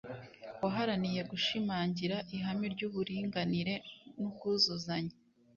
waharaniye gushimangira ihame ry'uburinganire n'ubwuzuzanye